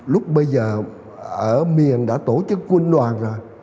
lúc bây giờ ở miền đã tổ chức quân đoàn rồi